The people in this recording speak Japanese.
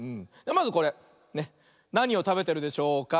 まずこれなにをたべてるでしょうか。